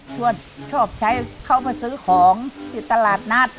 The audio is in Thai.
ชวนชอบใช้เขามาซื้อของที่ตลาดนัด